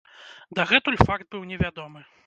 Дагэтуль факт быў невядомы.